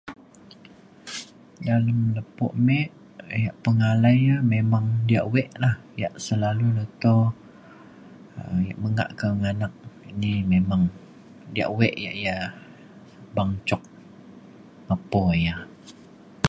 dalem lepo mik, ya' pengalai ya memang diak we' la ya' selalu leto um ya' mengak ka du nganak ini memang diak we' ya' ya beng cuk, mepo ya.